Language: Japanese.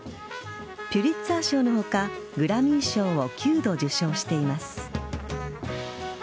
ピュリッツァー賞の他グラミー賞を９度受賞しています。